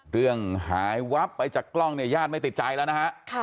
เรื่องหายวับไปจากกล้องเนี่ยญาติไม่ติดใจแล้วนะฮะ